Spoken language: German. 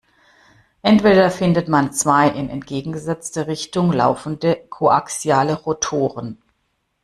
Entweder findet man zwei in entgegengesetzte Richtung laufende koaxiale Rotoren.